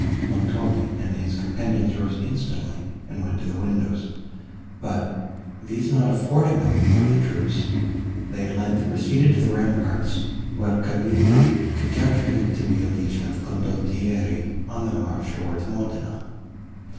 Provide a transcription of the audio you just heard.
Montoni and his companions rose instantly and went to the windows, but, these not affording them a view of the troops, they at length proceeded to the ramparts, where Cavigni conjectured it to be a legion of condottieri, on their march towards Modena.